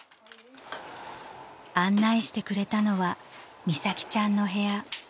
［案内してくれたのは美咲ちゃんの部屋］